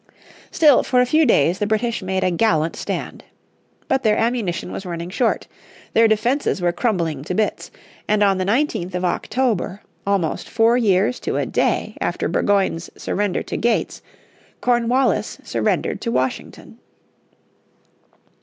Still for a few days the British made a gallant stand. But their ammunition was running short, their defenses were crumbling to bits, and on the 19th of October, almost four years to a day after Burgoyne's surrender to Gates, Cornwallis surrendered to Washington.